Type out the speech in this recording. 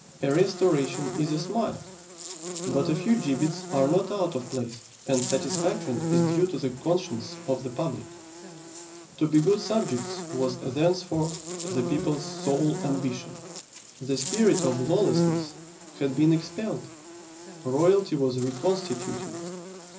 A restoration is a smile; but a few gibbets are not out of place, and satisfaction is due to the conscience of the public. To be good subjects was thenceforth the people's sole ambition. The spirit of lawlessness had been expelled. Royalty was reconstituted.